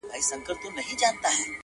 موږ په اصل او نسب سره خپلوان یو!.